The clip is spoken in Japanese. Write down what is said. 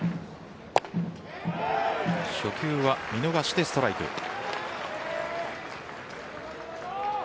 初球は見逃してストライク。